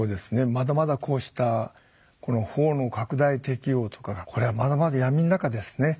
まだまだこうした法の拡大適用とかがこれはまだまだ闇の中ですね。